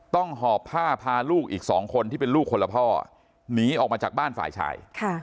หอบผ้าพาลูกอีก๒คนที่เป็นลูกคนละพ่อหนีออกมาจากบ้านฝ่ายชาย